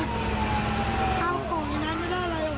มีความรู้สึกว่าเกิดอะไรขึ้น